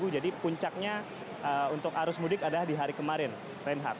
jadi puncaknya untuk arus mudik adalah di hari kemarin reinhardt